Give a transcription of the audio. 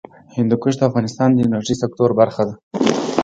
هندوکش د افغانستان د انرژۍ سکتور برخه ده.